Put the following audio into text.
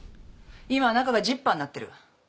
今は中がジッパーになってる。